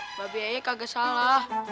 mbak biaya kagak salah